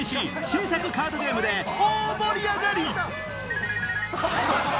新作カードゲームで大盛り上がり！